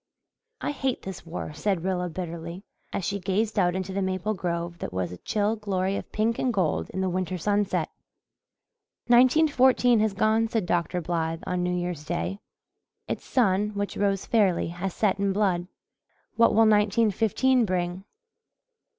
"I hate this war," said Rilla bitterly, as she gazed out into the maple grove that was a chill glory of pink and gold in the winter sunset. "Nineteen fourteen has gone," said Dr. Blythe on New Year's Day. "Its sun, which rose fairly, has set in blood. What will nineteen fifteen bring?"